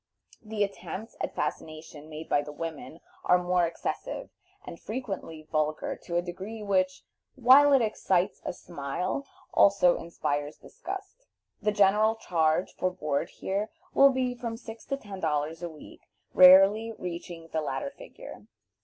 The attempts at fascination made by the women are more excessive, and frequently vulgar to a degree which, while it excites a smile, also inspires disgust. The general charge for board here will be from six to ten dollars a week, rarely reaching the latter figure.